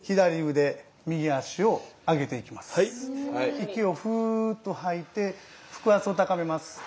息をフーッと吐いて腹圧を高めます。